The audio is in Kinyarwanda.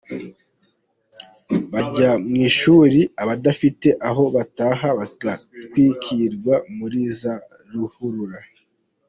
bajya mw’ishuri, abadafite aho bataha bagatwikirwa muri za ruhurura;